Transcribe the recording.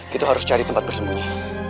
kita harus cari tempat bersembunyi